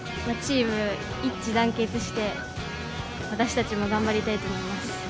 チーム一致団結して私たちも頑張りたいと思います。